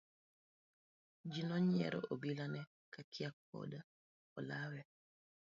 Ji nonyiero, obila ne kia koda olawe.